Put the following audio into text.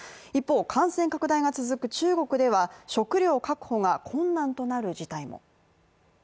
一方、感染拡大が続く中国では食料確保が困難となる事態も。